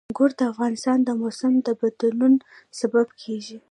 انګور د افغانستان د موسم د بدلون سبب کېږي.